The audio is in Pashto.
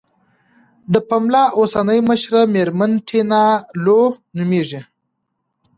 د پملا اوسنۍ مشره میرمن ټینا لو نوميږي.